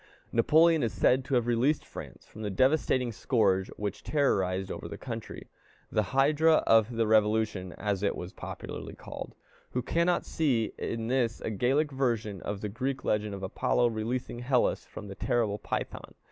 Napoleon is said to have released France from the devastating scourge which terrorized over the country, the hydra of the revolution, as it was popularly called. Who cannot see in this a Gallic version of the Greek legend of Apollo releasing Hellas from the terrible Python?